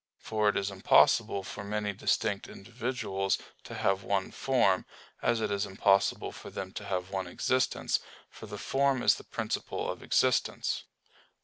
For it is impossible for many distinct individuals to have one form, as it is impossible for them to have one existence, for the form is the principle of existence.